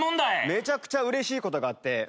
めちゃくちゃうれしいことがあって。